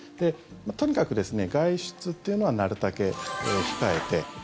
とにかく、外出っていうのはなるたけ控えて。